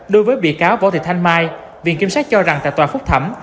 đối với bị cáo võ thị thanh mai viện kiểm sát cho rằng tại tòa phúc thẩm